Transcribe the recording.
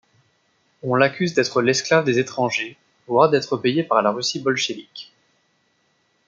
On l'accuse d'être l'esclave des étrangers, voire d'être payé par la Russie bolchévique.